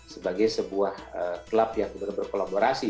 sebagai sebuah klub yang berkolaborasi